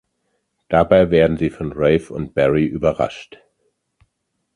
Dabei werden sie von Rafe und Barry überrascht.